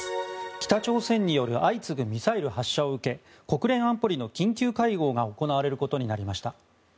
北朝鮮による相次ぐミサイル発射を受け国連安保理の緊急会合が行われることになりました。